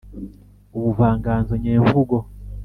ubuvanganzo nyemvugo